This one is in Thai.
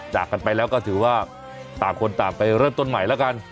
จากกันไปแล้วก็ถือว่าต่างคนต่างไปเริ่มต้นใหม่แล้วกัน